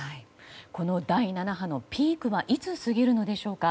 この第７波のピークはいつ過ぎるのでしょうか。